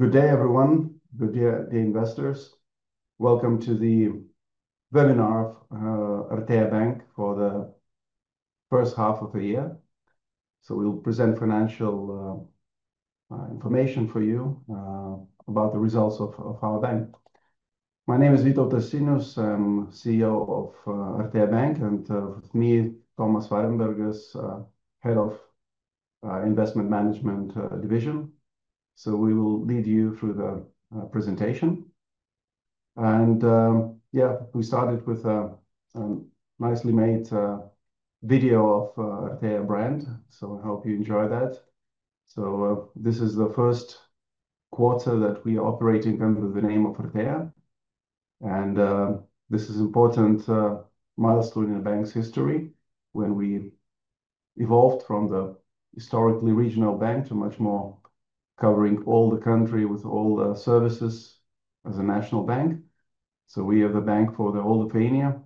Good day, everyone. Good day, investors. Welcome to the webinar of Artea Bank for the first half of the year. We'll present financial information for you about the results of our bank. My name is Vytautas Sinius, I'm CEO of Artea Bank, and with me, Tomas Varenbergas is Head of the Investment Management Division. We will lead you through the presentation. We started with a nicely made video of Artea brand. I hope you enjoy that. This is the first quarter that we are operating under the name of Artea. This is an important milestone in the bank's history when we evolved from the historically regional bank to much more covering all the country with all the services as a national bank. We have a bank for the whole of Lithuania.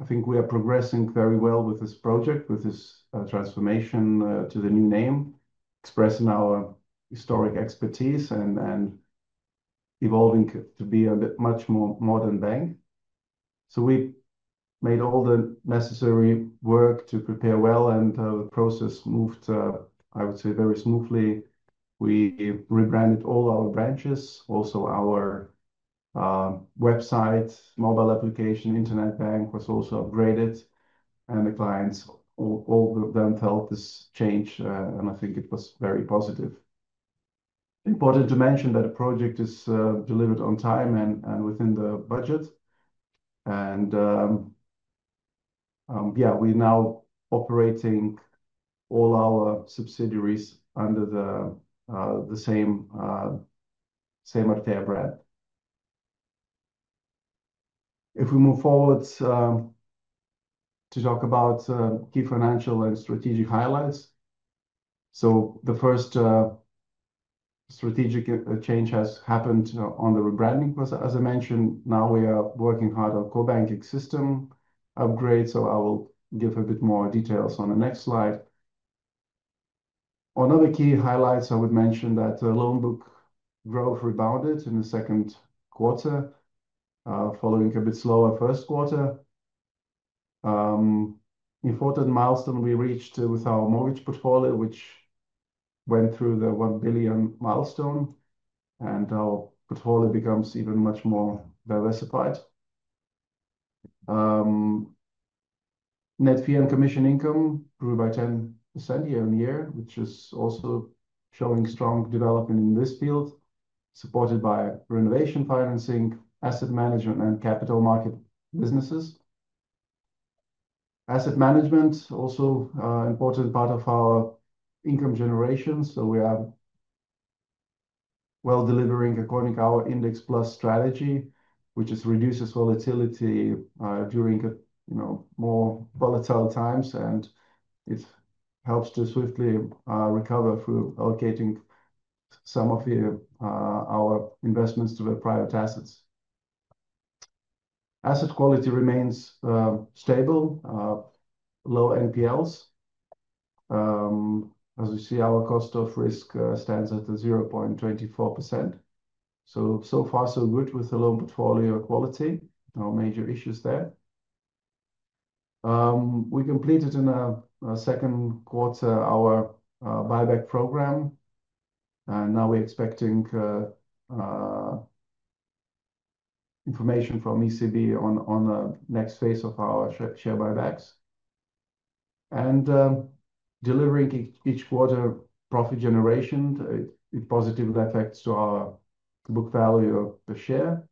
I think we are progressing very well with this project, with this transformation to the new name, expressing our historic expertise and evolving to be a much more modern bank. We made all the necessary work to prepare well, and the process moved, I would say, very smoothly. We rebranded all our branches, also our website, mobile application, internet bank was also upgraded. The clients, all of them, felt this change, and I think it was very positive. Important to mention that the project is delivered on time and within the budget. We are now operating all our subsidiaries under the same Artea brand. If we move forward to talk about key financial and strategic highlights, the first strategic change has happened on the rebranding process, as I mentioned. Now we are working hard on a core banking system upgrade. I will give a bit more details on the next slide. On other key highlights, I would mention that the loan book growth rebounded in the second quarter, following a bit slower first quarter. Important milestone we reached with our mortgage portfolio, which went through the 1 billion milestone. Our portfolio becomes even much more diversified. Net fee and commission income grew by 10% year on year, which is also showing strong development in this field, supported by renovation financing, asset management, and capital market businesses. Asset management is also an important part of our income generation. We are well delivering according to our index plus strategy, which reduces volatility during more volatile times. It helps to swiftly recover through allocating some of our investments to the private assets. Asset quality remains stable, low NPLs. As we see, our cost of risk stands at 0.24%. So far, so good with the loan portfolio quality. No major issues there. We completed in the second quarter our buyback program. Now we're expecting information from the European Central Bank on the next phase of our share buybacks. Delivering each quarter profit generation, it positively affects our book value per share,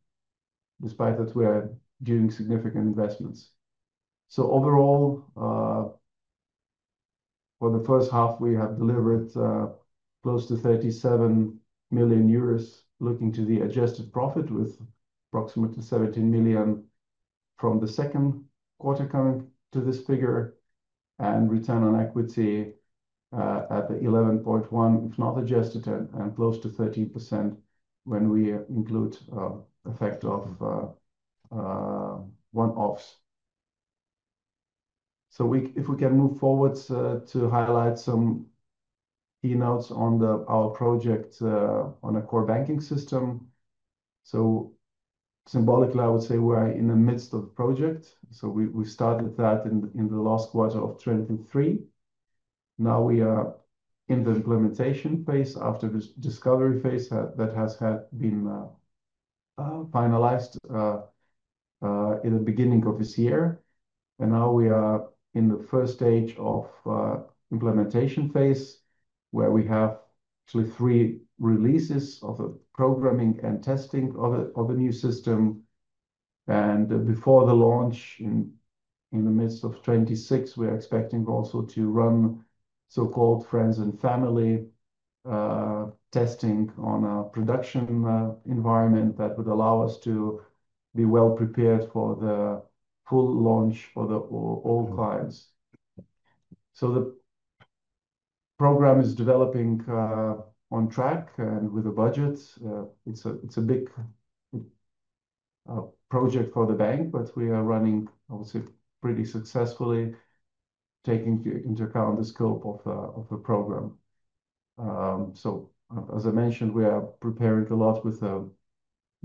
despite that we are doing significant investments. Overall, for the first half, we have delivered close to €37 million, looking to the adjusted profit with approximately 17 million from the second quarter coming to this figure. Return on equity at 11.1% if not adjusted, and close to 13% when we include the fact of one offs. If we can move forward to highlight some keynotes on our project on a core banking system. Symbolically, I would say we are in the midst of the project. We started that in the last quarter of 2023. Now we are in the implementation phase after the discovery phase that has been finalized in the beginning of this year. Now we are in the first stage of the implementation phase, where we have actually three releases of the programming and testing of the new system. Before the launch in the midst of 2026, we are expecting also to run so-called friends and family testing on a production environment that would allow us to be well prepared for the full launch for all clients. The program is developing on track and with a budget. It's a big project for the bank, but we are running, I would say, pretty successfully, taking into account the scope of the program. As I mentioned, we are preparing a lot with the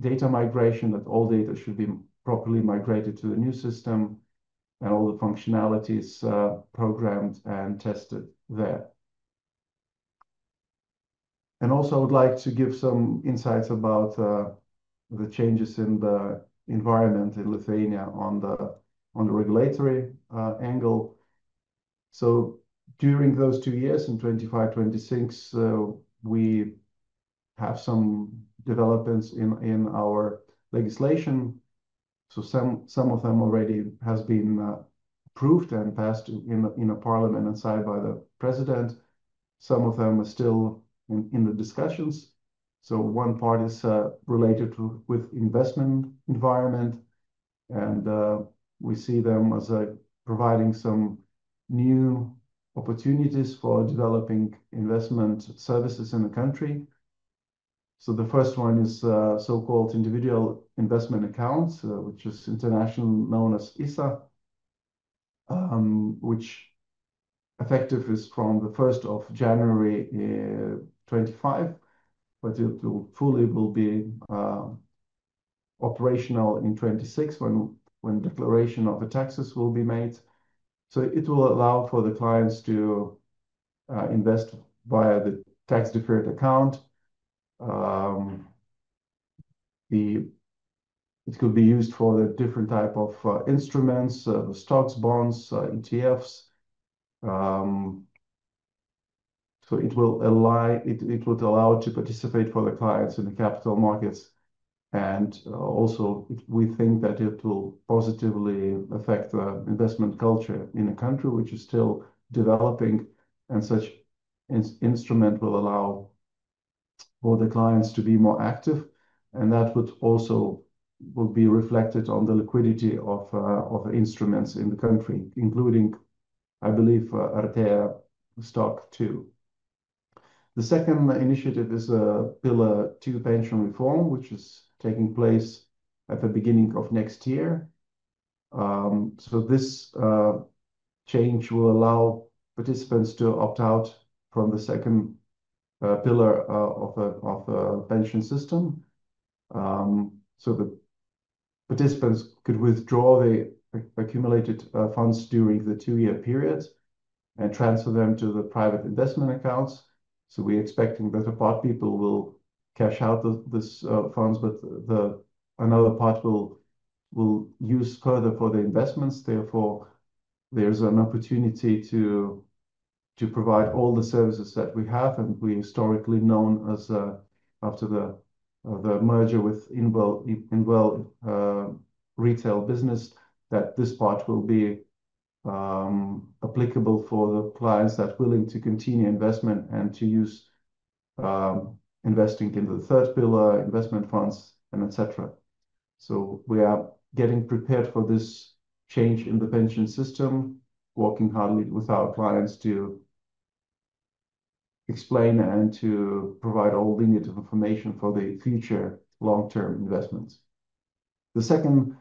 data migration that all data should be properly migrated to the new system and all the functionalities programmed and tested there. I would like to give some insights about the changes in the environment in Lithuania on the regulatory angle. During those two years, in 2025 and 2026, we have some developments in our legislation. Some of them already have been approved and passed in parliament and signed by the president. Some of them are still in the discussions. One part is related to the investment environment. We see them as providing some new opportunities for developing investment services in the country. The first one is so-called individual investment accounts, which is internationally known as ISA, which effective is from the 1st of January 2025. It fully will be operational in 2026 when the declaration of the taxes will be made. It will allow for the clients to invest via the tax-deferred account. It could be used for the different types of instruments, stocks, bonds, ETFs. It would allow clients to participate in the capital markets. We think that it will positively affect the investment culture in a country which is still developing. Such an instrument will allow for the clients to be more active. That would also be reflected on the liquidity of the instruments in the country, including, I believe, Artea stock too. The second initiative is a Pillar 2 pension reform, which is taking place at the beginning of next year. This change will allow participants to opt out from the second pillar of the pension system. The participants could withdraw the accumulated funds during the two-year period and transfer them to the private investment accounts. We are expecting that a part of people will cash out these funds, but another part will use further for the investments. Therefore, there's an opportunity to provide all the services that we have. We have historically known, after the merger with Inwell Retail Business, that this part will be applicable for the clients that are willing to continue investment and to use investing in the third pillar, investment funds, and et cetera. We are getting prepared for this change in the pension system, working hard with our clients to explain and to provide all the needed information for the future long-term investments. The second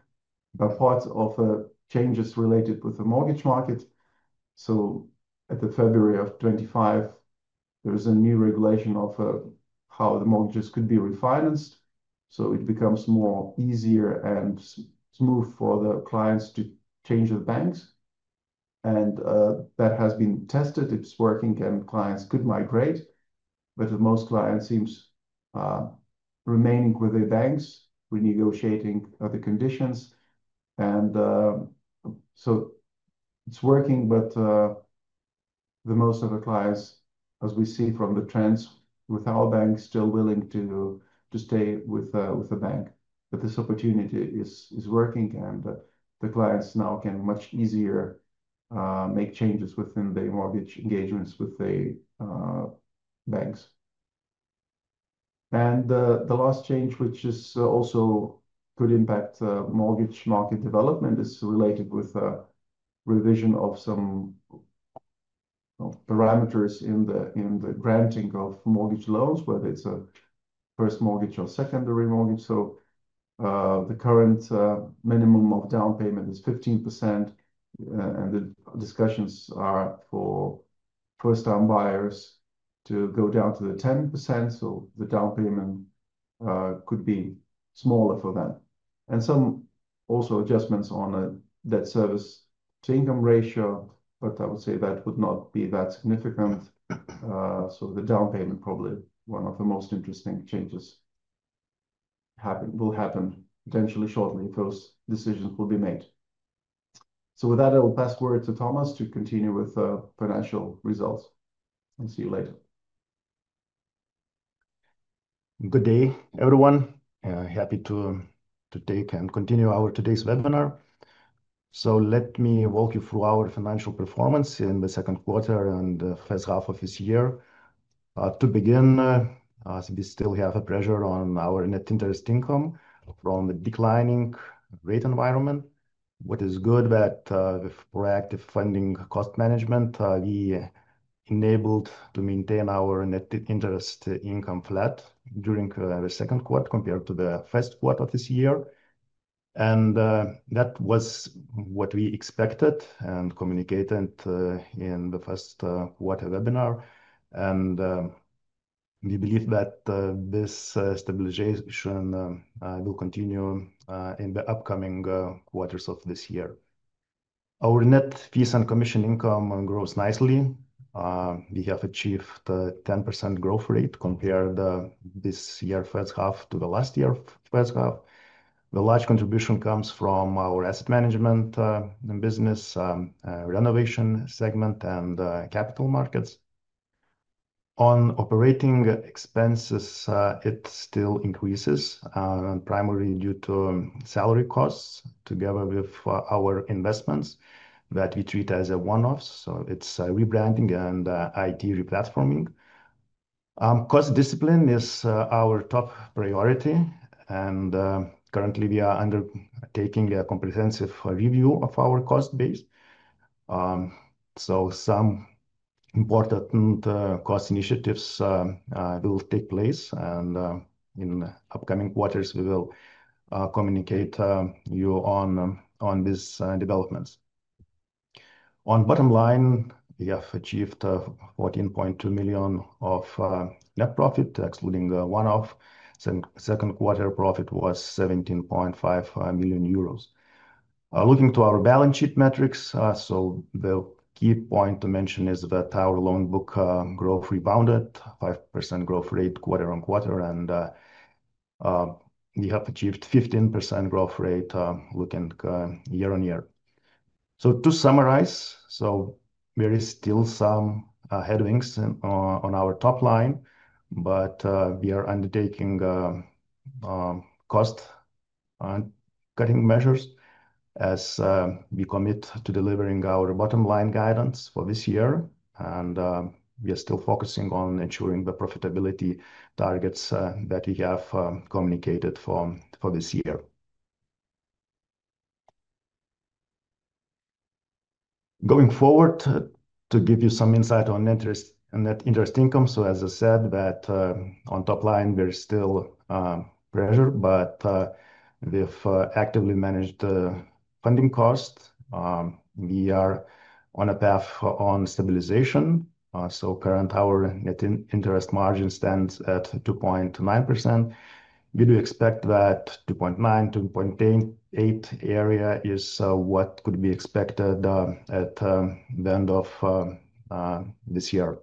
part of the change is related to the mortgage market. At February of 2025, there is a new regulation of how the mortgages could be refinanced. It becomes more easy and smooth for the clients to change the banks. That has been tested. It's working, and clients could migrate. Most clients seem to remain with their banks, renegotiating the conditions. It's working, but most of the clients, as we see from the trends with our bank, are still willing to stay with the bank. This opportunity is working, and the clients now can much easier make changes within their mortgage engagements with the banks. The last change, which also could impact mortgage market development, is related with a revision of some parameters in the granting of mortgage loans, whether it's a first mortgage or secondary mortgage. The current minimum of down payment is 15%. The discussions are for first-time buyers to go down to the 10%. The down payment could be smaller for them. There are also adjustments on the debt service to income ratio, but I would say that would not be that significant. The down payment probably is one of the most interesting changes that will happen potentially shortly if those decisions will be made. With that, I will pass the word to Tomas to continue with the financial results. See you later. Good day, everyone. Happy to date and continue our today's webinar. Let me walk you through our financial performance in the second quarter and the first half of this year. To begin, we still have a pressure on our net interest income from the declining rate environment. What is good is that with proactive funding cost management, we enabled to maintain our net interest income flat during the second quarter compared to the first quarter of this year. That was what we expected and communicated in the first quarter webinar. We believe that this stabilization will continue in the upcoming quarters of this year. Our net fee and commission income grows nicely. We have achieved a 10% growth rate compared to this year's first half to the last year's first half. The large contribution comes from our asset management and business renovation segment and capital markets. On operating expenses, it still increases, primarily due to salary costs, together with our investments that we treat as a one-off. It's rebranding and IT replatforming. Cost discipline is our top priority. Currently, we are undertaking a comprehensive review of our cost base. Some important cost initiatives will take place. In the upcoming quarters, we will communicate with you on these developments. On the bottom line, we have achieved 14.2 million of net profit, excluding the one-off. The second quarter profit was €17.5 million. Looking to our balance sheet metrics, the key point to mention is that our loan book growth rebounded, 5% growth rate quarter on quarter. We have achieved a 15% growth rate looking year on year. To summarize, there are still some headwinds on our top line, but we are undertaking cost cutting measures as we commit to delivering our bottom line guidance for this year. We are still focusing on ensuring the profitability targets that we have communicated for this year. Going forward, to give you some insight on net interest income. As I said, on the top line, there's still pressure, but we've actively managed the funding costs. We are on a path for stabilization. Currently, our net interest margin stands at 2.9%. We do expect that 2.9%, 2.8% area is what could be expected at the end of this year.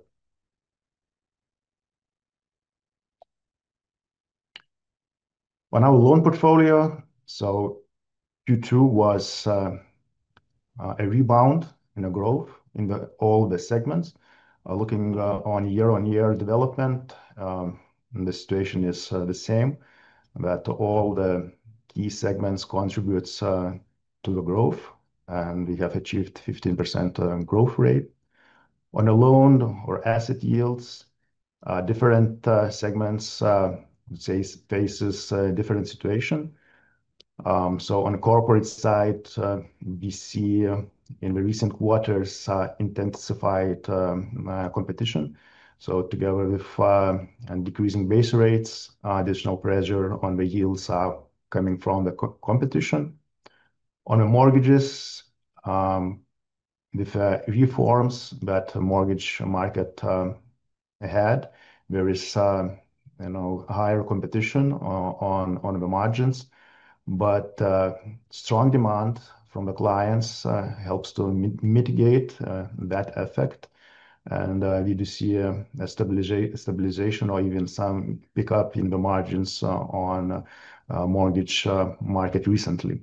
On our loan portfolio, Q2 was a rebound and a growth in all the segments. Looking on year-on-year development, the situation is the same, that all the key segments contribute to the growth. We have achieved a 15% growth rate. On the loan or asset yields, different segments face a different situation. On the corporate side, we see in the recent quarters intensified competition. Together with decreasing base rates, additional pressure on the yields is coming from the competition. On the mortgages, with the reforms that the mortgage market had, there is higher competition on the margins. Strong demand from the clients helps to mitigate that effect. We do see a stabilization or even some pickup in the margins on the mortgage market recently.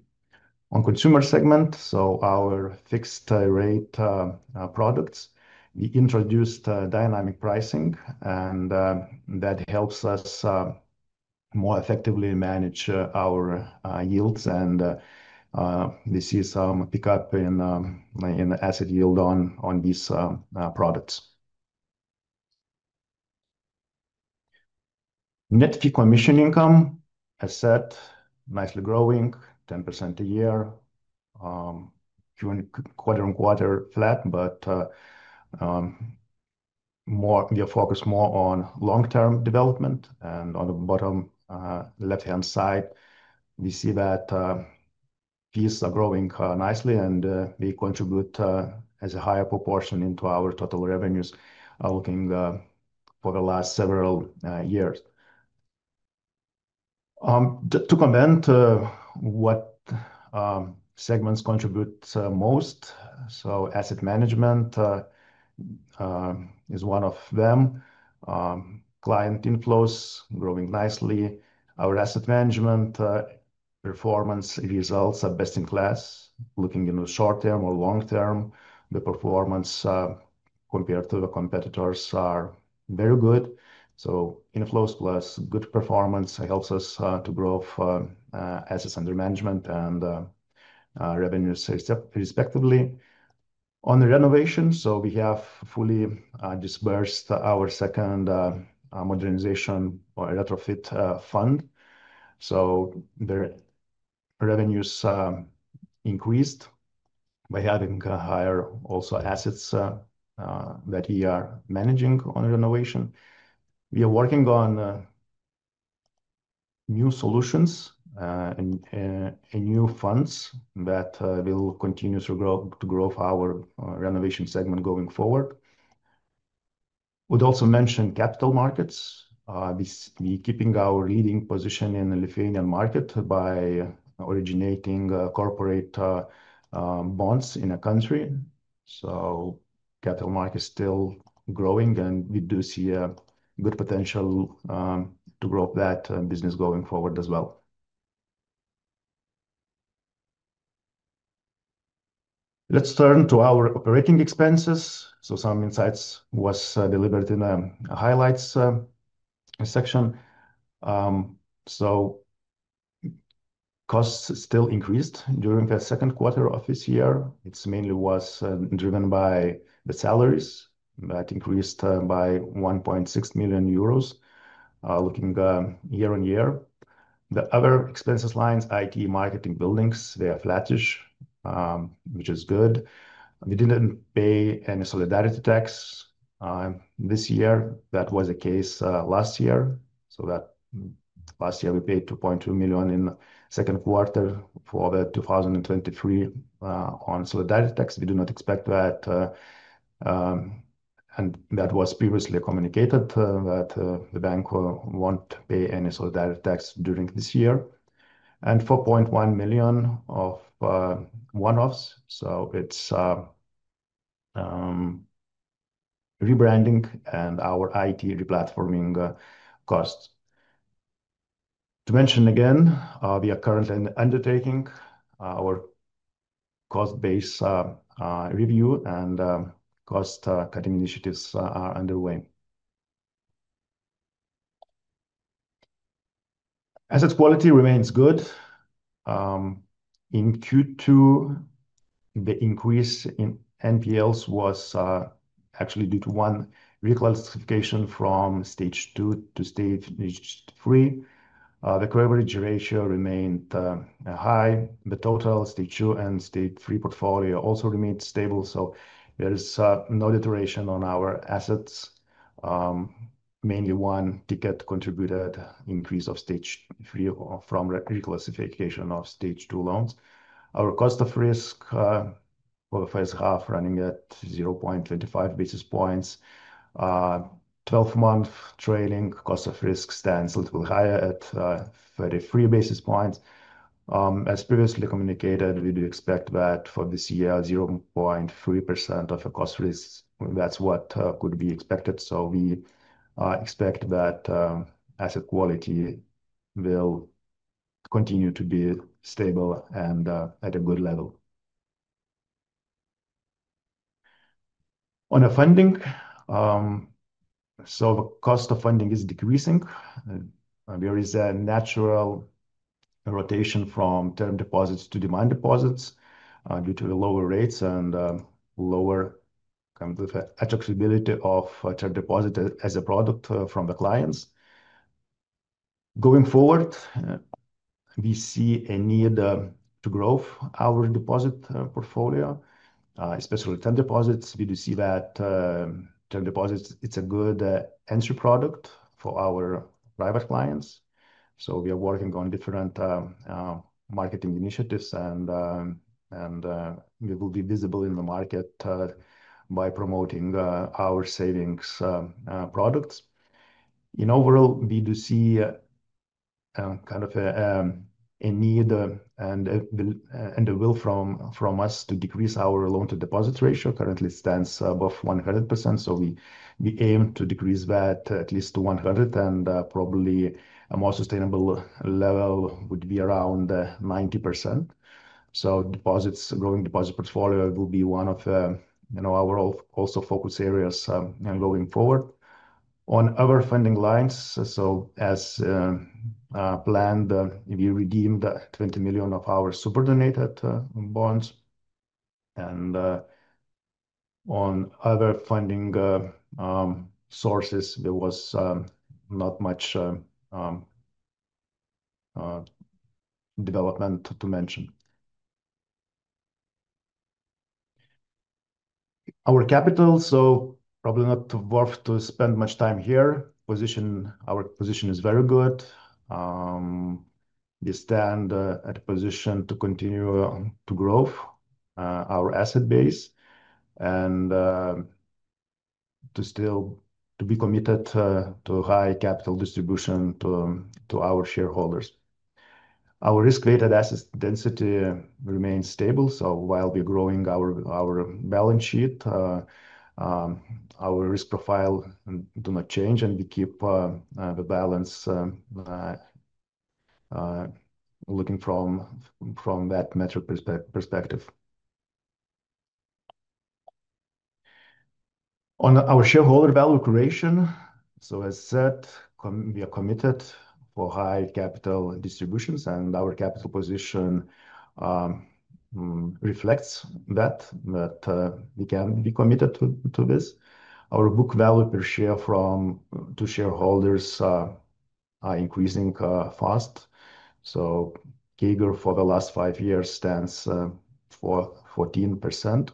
On the consumer segment, our fixed-rate products, we introduced dynamic pricing. That helps us more effectively manage our yields. We see some pickup in the asset yield on these products. Net fee and commission income, as I said, nicely growing, 10% a year. Quarter on quarter flat, but we are focused more on long-term development. On the bottom left-hand side, we see that fees are growing nicely. They contribute as a higher proportion into our total revenues looking for the last several years. To comment on what segments contribute most, asset management is one of them. Client inflows are growing nicely. Our asset management performance results are best in class. Looking into short-term or long-term, the performance compared to the competitors is very good. Inflows plus good performance helps us to grow assets under management and revenues respectively. On the renovation, we have fully disbursed our second modernization or retrofit fund. Revenues increased by adding higher also assets that we are managing on renovation. We are working on new solutions and new funds that will continue to grow our renovation segment going forward. I would also mention capital market activities. We are keeping our leading position in the Lithuanian market by originating corporate bonds in our country. The capital market is still growing. We do see a good potential to grow that business going forward as well. Let's turn to our operating expenses. Some insights were delivered in the highlights section. Costs still increased during the second quarter of this year. It mainly was driven by the salaries that increased by 1.6 million euros, looking year on year. The other expenses lines, IT, marketing, buildings, they are flattish, which is good. We didn't pay any solidarity tax this year. That was the case last year. Last year, we paid 2.2 million in the second quarter for 2023 on solidarity tax. We do not expect that. That was previously communicated that the bank won't pay any solidarity tax during this year. 4.1 million of one-offs. It's rebranding and our IT replatforming costs. To mention again, we are currently undertaking our cost-based review, and cost-cutting initiatives are underway. Asset quality remains good. In Q2, the increase in non-performing loans was actually due to one reclassification from stage two to stage three. The coverage ratio remained high. The total stage two and stage three portfolio also remains stable. There is no deterioration on our assets. Mainly one ticket contributed to the increase of stage three from reclassification of stage two loans. Our cost of risk for the first half is running at 0.25 basis points. 12-month trailing cost of risk stands a little higher at 33 basis points. As previously communicated, we do expect that for this year, 0.3% of the cost of risk, that's what could be expected. We expect that asset quality will continue to be stable and at a good level. On funding, the cost of funding is decreasing. There is a natural rotation from term deposits to demand deposits due to the lower rates and lower attractibility of term deposit as a product from the clients. Going forward, we see a need to grow our deposit portfolio, especially term deposits. We do see that term deposits, it's a good entry product for our private clients. We are working on different marketing initiatives, and we will be visible in the market by promoting our savings products. Overall, we do see kind of a need and a will from us to decrease our loan-to-deposit ratio. Currently, it stands above 100%. We aim to decrease that at least to 100%, and probably a more sustainable level would be around 90%. Growing the deposit portfolio will be one of our focus areas going forward. On other funding lines, as planned, we redeemed 20 million of our subordinated bonds. On other funding sources, there was not much development to mention. Our capital, probably not worth to spend much time here. Our position is very good. We stand at a position to continue to grow our asset base and to be committed to a high capital distribution to our shareholders. Our risk-weighted asset density remains stable. While we are growing our balance sheet, our risk profile does not change, and we keep the balance looking from that metric perspective. On our shareholder value creation, as I said, we are committed for high capital distributions. Our capital position reflects that, that we can be committed to this. Our book value per share from two shareholders is increasing fast. Kager for the last five years stands for 14%.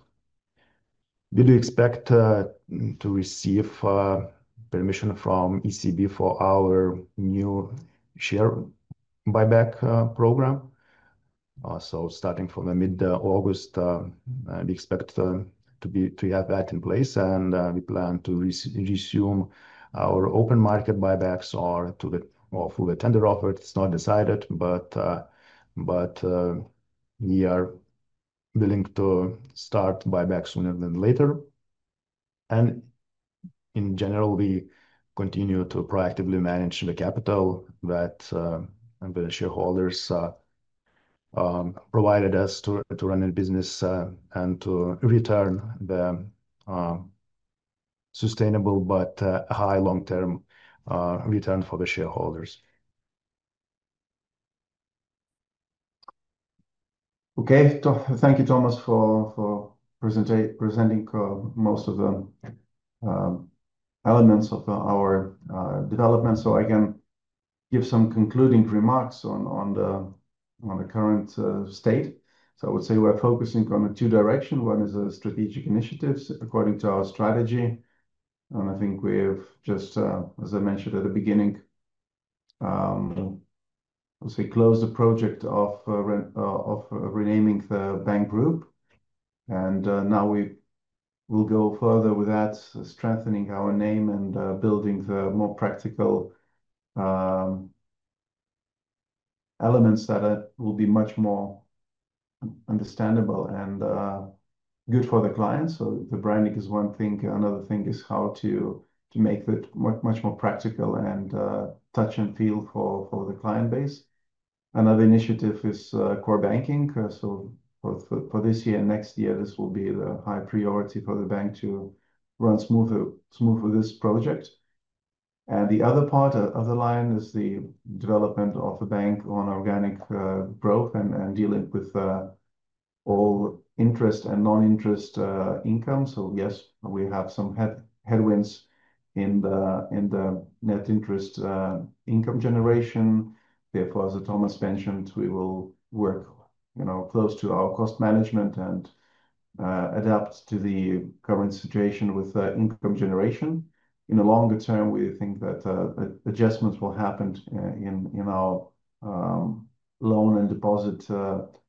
We do expect to receive permission from the European Central Bank for our new share buyback program. Starting from mid-August, we expect to have that in place. We plan to resume our open market buybacks or to get off with a tender offer. It's not decided, but we are willing to start buybacks sooner than later. In general, we continue to proactively manage the capital that the shareholders provided us to run the business and to return the sustainable but high long-term return for the shareholders. Thank you, Tomas, for presenting most of the elements of our development. I can give some concluding remarks on the current state. I would say we're focusing on a two-direction. One is a strategic initiatives according to our strategy. I think we've just, as I mentioned at the beginning, I would say closed the project of renaming the bank group. Now we will go further with that, strengthening our name and building the more practical elements that will be much more understandable and good for the clients. The branding is one thing. Another thing is how to make it much more practical and touch and feel for the client base. Another initiative is core banking. For this year and next year, this will be the high priority for the bank to run smoothly this project. The other part of the line is the development of the bank on organic growth and dealing with all interest and non-interest income. Yes, we have some headwinds in the net interest income generation. Therefore, as Tomas mentioned, we will work close to our cost management and adapt to the current situation with the income generation. In the longer term, we think that adjustments will happen in our loan and deposit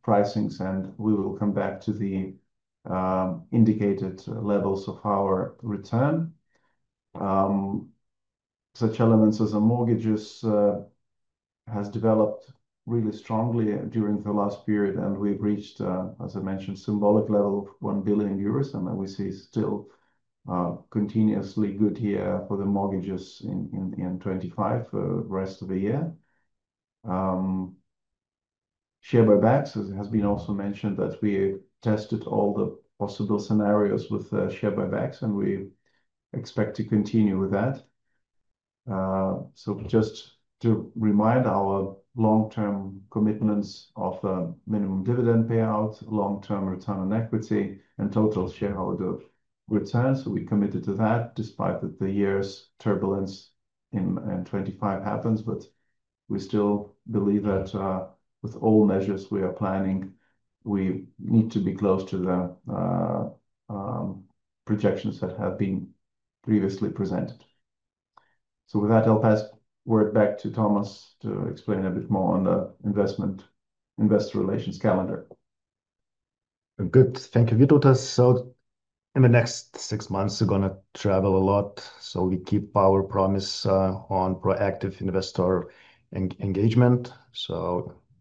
pricings. We will come back to the indicated levels of our return. Such elements as mortgages have developed really strongly during the last period. We've reached, as I mentioned, a symbolic level of 1 billion euros. We see still continuously good here for the mortgages in 2025 for the rest of the year. Share buybacks has been also mentioned that we tested all the possible scenarios with share buybacks. We expect to continue with that. To remind our long-term commitments of minimum dividend payouts, long-term return on equity, and total shareholder return, we committed to that despite the year's turbulence if 2025 happens. We still believe that with all measures we are planning, we need to be close to the projections that have been previously presented. With that, I'll pass the word back to Tomas to explain a bit more on the investor relations calendar. Good. Thank you, Vito. In the next six months, we're going to travel a lot. We keep our promise on proactive investor engagement.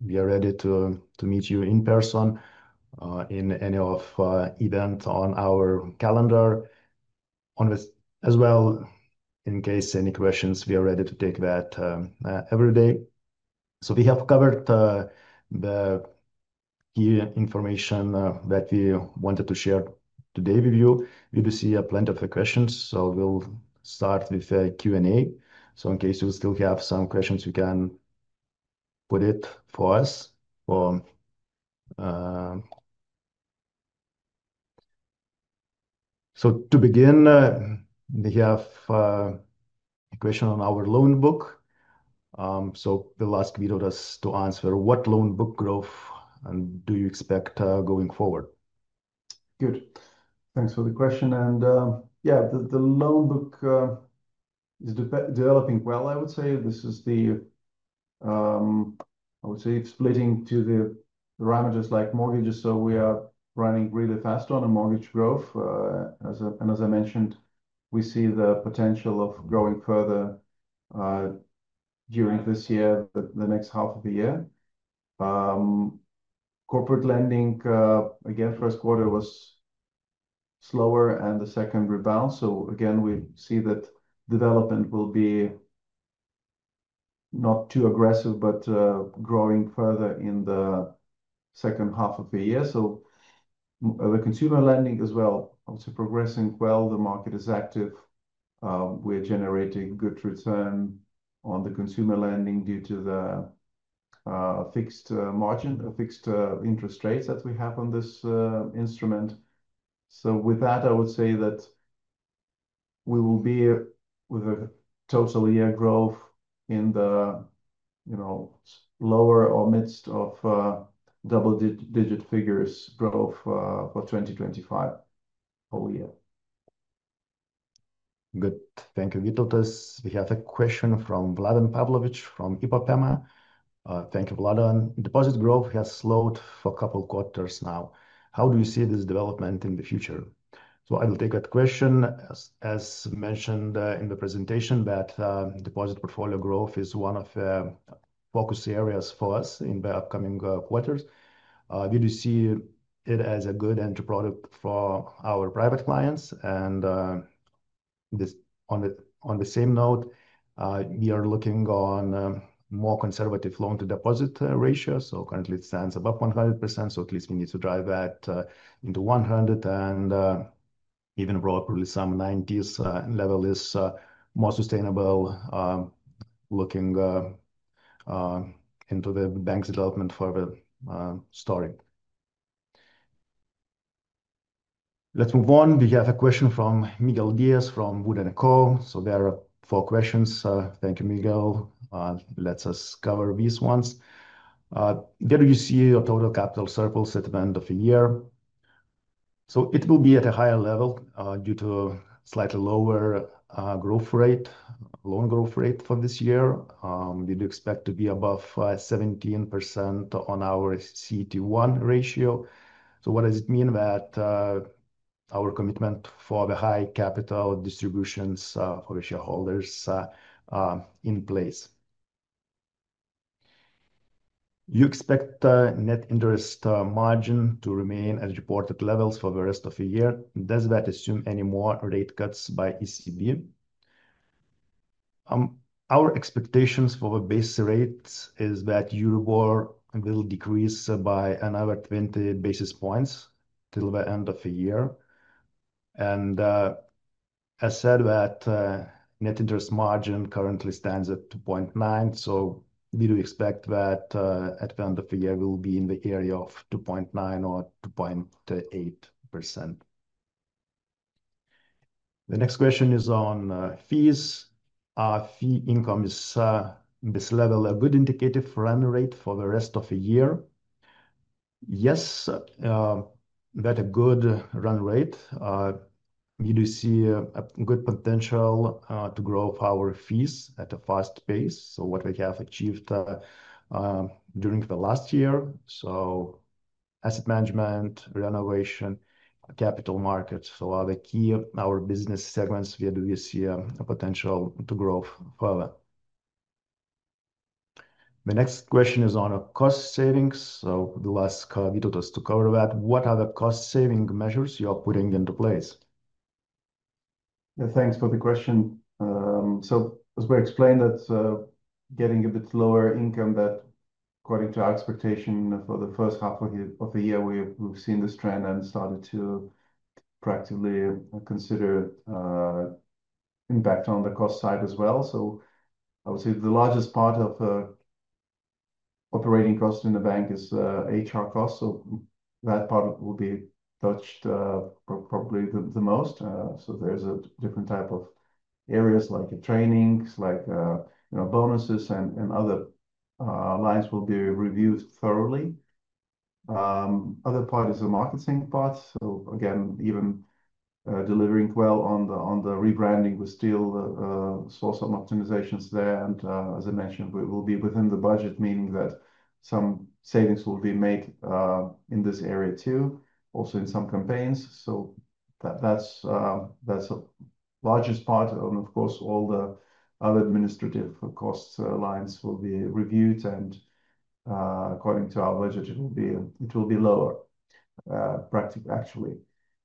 We are ready to meet you in person in any event on our calendar. In case of any questions, we are ready to take that every day. We have covered the key information that we wanted to share today with you. We do see plenty of questions. We'll start with a Q&A. In case you still have some questions, you can put it for us. To begin, we have a question on our loan book. The last bit of this is to answer what loan book growth do you expect going forward? Good. Thanks for the question. Yeah, the loan book is developing well, I would say. I would say it's splitting to the ranges like mortgages. We are running really fast on the mortgage growth. As I mentioned, we see the potential of growing further during this year, the next half of the year. Corporate lending, again, first quarter was slower and the second rebound. We see that development will be not too aggressive, but growing further in the second half of the year. The consumer lending as well, I would say, is progressing well. The market is active. We're generating good return on the consumer lending due to the fixed margin, the fixed interest rates that we have on this instrument. With that, I would say that we will be with a total year growth in the lower or midst of double-digit figures growth for 2025 all year. Good. Thank you, Vito. We have a question from Vladan Pavlovic from IPANEMA. Thank you, Vladan. Deposit growth has slowed for a couple of quarters now. How do you see this development in the future? I will take that question. As mentioned in the presentation, deposit portfolio growth is one of the focus areas for us in the upcoming quarters. We do see it as a good entry product for our private clients. On the same note, we are looking at a more conservative loan-to-deposit ratio. Currently, it stands above 100%. At least we need to drive that into 100%, and even probably some 90s level is more sustainable looking into the bank's development for the story. Let's move on. We have a question from Miguel Diaz from Wood & Co. There are four questions. Thank you, Miguel. Let us cover these ones. Where do you see your total capital surplus at the end of the year? It will be at a higher level due to a slightly lower loan growth rate from this year. We do expect to be above 17% on our CET1 ratio. What does it mean that our commitment for the high capital distributions for the shareholders is in place? You expect the net interest margin to remain at reported levels for the rest of the year. Does that assume any more rate cuts by the European Central Bank? Our expectations for the base rates is that Euribor will decrease by another 20 basis points till the end of the year. As I said, net interest margin currently stands at 2.9%. We do expect that at the end of the year, we will be in the area of 2.9% or 2.8%. The next question is on fees. Are fee incomes at this level a good indicative run rate for the rest of the year? Yes, that's a good run rate. We do see a good potential to grow our fees at a fast pace. What we have achieved during the last year—asset management, renovation, capital markets—are the key business segments where we see a potential to grow further. The next question is on cost savings. The last call, Vytautas, is to cover that. What are the cost-saving measures you are putting into place? Yeah, thanks for the question. As we explained, that's getting a bit lower income. That according to our expectation for the first half of the year, we've seen this trend and started to practically consider the impact on the cost side as well. I would say the largest part of operating costs in the bank is HR costs. That part will be touched probably the most. There are different types of areas like trainings, like bonuses, and other lines will be reviewed thoroughly. The other part is the marketing part. Even delivering well on the rebranding, we're still sourcing optimizations there. As I mentioned, we will be within the budget, meaning that some savings will be made in this area too, also in some campaigns. That's the largest part. Of course, all the other administrative cost lines will be reviewed. According to our budget, it will be lower, practically actually.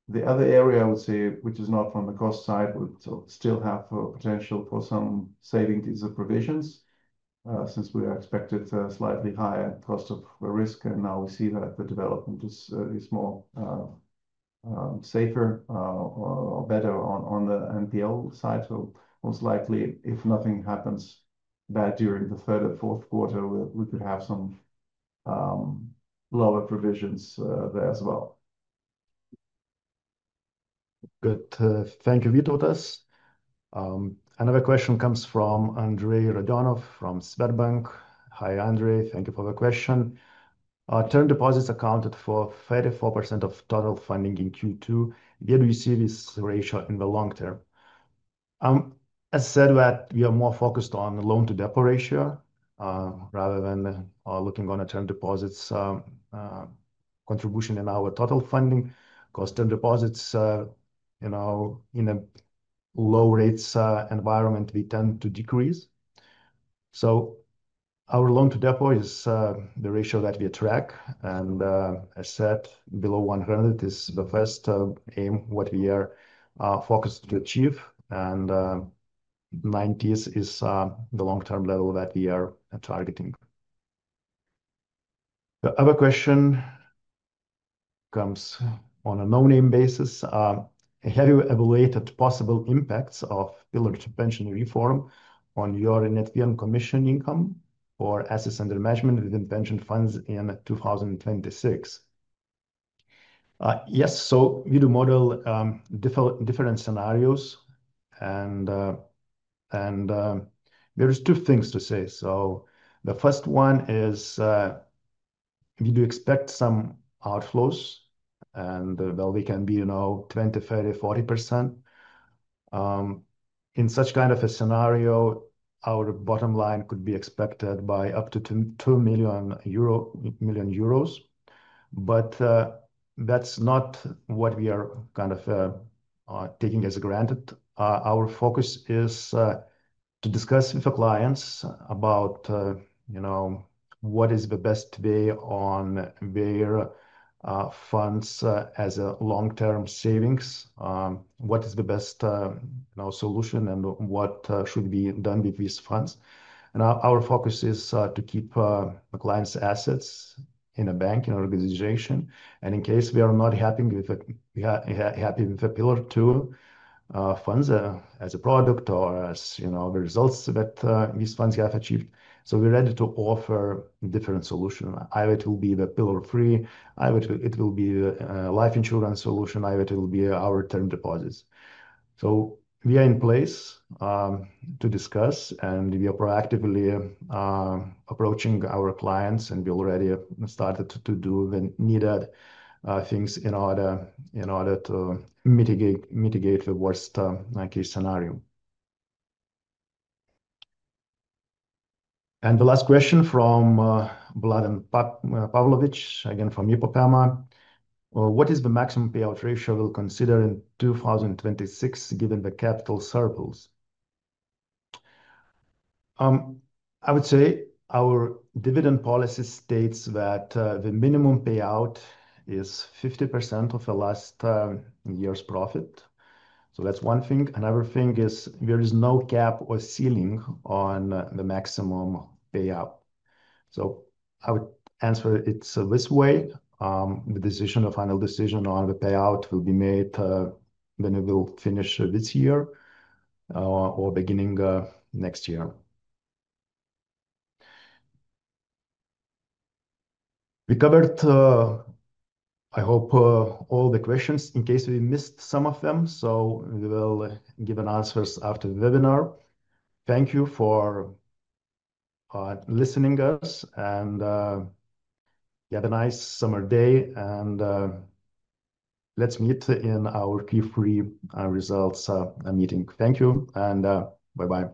The other area I would say, which is not from the cost side but still has potential for some savings, is the provisions since we are expected to have a slightly higher cost of risk. Now we see that the development is more safe or better on the non-performing loans side. Most likely, if nothing happens during the third or fourth quarter, we could have some lower provisions there as well. Good. Thank you, Vito. Another question comes from Andrei Rodanov from Svetbank. Hi, Andrei. Thank you for the question. Our term deposits accounted for 34% of total funding in Q2. Where do you see this ratio in the long term? As I said, we are more focused on the loan-to-deposit ratio rather than looking at the term deposits contribution in our total funding. Because term deposits, you know, in a low-rate environment, tend to decrease. Our loan-to-deposit is the ratio that we track. As I said, below 100 is the first aim we are focused to achieve, and 90s is the long-term level that we are targeting. The other question comes on a no-name basis. Have you evaluated possible impacts of Pillar 2 pension reform on your net commission income or assets under management within pension funds in 2026? Yes. We do model different scenarios, and there are two things to say. The first one is we do expect some outflows, and it can be 20%, 30%, 40%. In such a scenario, our bottom line could be impacted by up to 2 million euro. That's not what we are taking as granted. Our focus is to discuss with the clients about what is the best way on their funds as a long-term savings. What is the best solution and what should be done with these funds? Our focus is to keep the clients' assets in a bank, in an organization. In case we are not happy with Pillar 2 funds as a product or as the results that these funds have achieved, we are ready to offer different solutions. Either it will be the Pillar 3, or it will be a life insurance solution, or it will be our term deposits. We are in place to discuss, and we are proactively approaching our clients. We already started to do the needed things in order to mitigate the worst-case scenario. The last question from Vladan Pavlović, again from IPANEMA. What is the maximum payout ratio we'll consider in 2026 given the capital surplus? I would say our dividend policy states that the minimum payout is 50% of the last year's profit. That's one thing. Another thing is there is no cap or ceiling on the maximum payout. I would answer it this way. The decision, the final decision on the payout, will be made when we finish this year or beginning next year. We covered, I hope, all the questions. In case we missed some of them, we will give answers after the webinar. Thank you for listening to us, and have a nice summer day. Let's meet in our Q3 results meeting. Thank you, and bye-bye.